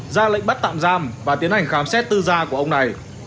ra lệnh bắt tạm giam và tiến hành khám xét tư gia của ông này